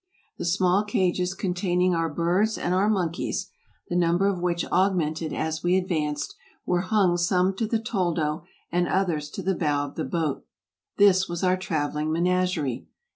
The small cages containing our birds and our mon keys— the number of which augmented as we advanced — were hung some to the toldo and others to the bow of the boat. This was our traveling menagerie.